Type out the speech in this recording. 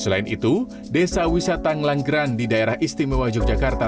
selain itu desa wisata ngelanggeran di daerah istimewa yogyakarta